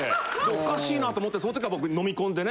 おかしいなと思ってその時は僕飲み込んでね